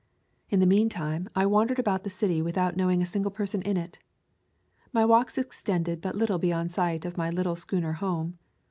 In the mean time I wandered about the city without knowing a single person in it. My walks extended but little beyond sight of my little schooner home.